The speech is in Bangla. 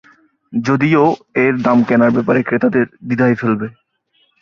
যদিও এর দাম কেনার ব্যাপারে ক্রেতাদের দ্বিধায় ফেলবে।